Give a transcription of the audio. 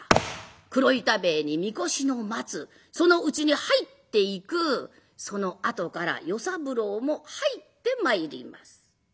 黒板塀に見越しの松その内に入っていくそのあとから与三郎も入ってまいります。